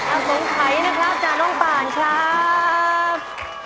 อาทรงไขนะครับจาน้องป่านครับ